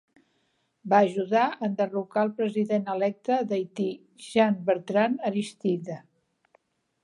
Va ajudar a enderrocar el president electe d'Haití, Jean-Bertrand Aristide.